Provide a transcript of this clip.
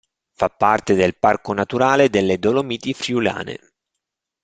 Fa parte del Parco naturale delle Dolomiti Friulane.